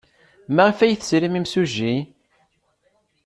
Maɣef ay tesrim imsujji?